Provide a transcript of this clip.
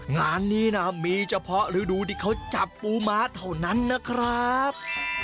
งานนี้นะมีเฉพาะฤดูที่เขาจับปูม้าเท่านั้นนะครับ